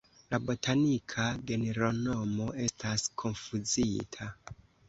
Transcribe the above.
La botanika genronomo estas konfuzita.